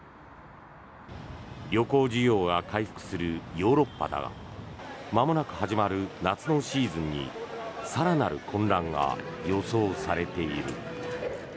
旅行需要が回復するヨーロッパだがまもなく始まる夏のシーズンに更なる混乱が予想されている。